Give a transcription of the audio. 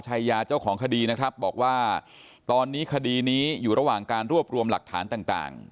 ชายาเจ้าของคดีนะครับบอกว่าตอนนี้คดีนี้อยู่ระหว่างการรวบรวมหลักฐานต่าง